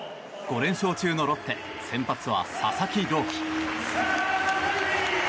５連勝中のロッテ先発は佐々木朗希。